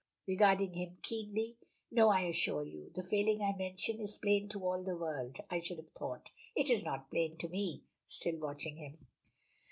regarding him keenly. "No. I assure you. The failing I mention is plain to all the world I should have thought." "It is not plain to me," still watching him.